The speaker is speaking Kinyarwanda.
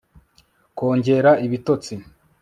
kongera ibitotsi